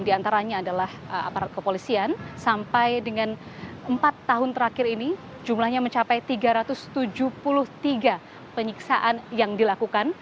di antaranya adalah aparat kepolisian sampai dengan empat tahun terakhir ini jumlahnya mencapai tiga ratus tujuh puluh tiga penyiksaan yang dilakukan